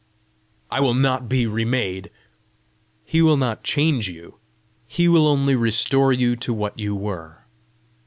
"I will not be remade!" "He will not change you; he will only restore you to what you were."